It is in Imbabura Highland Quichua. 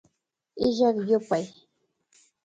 Illak yupay